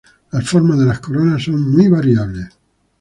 Las formas de las coronas son muy variables.